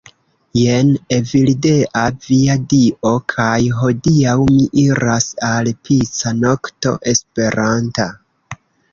Jen Evildea. Via Dio. kaj hodiaŭ mi iras al pica nokto esperanta